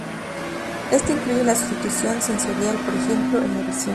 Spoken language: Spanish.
Esto incluye la sustitución sensorial, por ejemplo, en la visión.